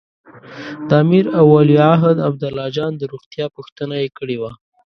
د امیر او ولیعهد عبدالله جان د روغتیا پوښتنه یې کړې وه.